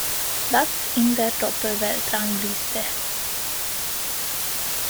Platz in der Doppel-Weltrangliste.